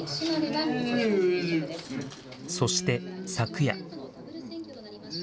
そして昨夜。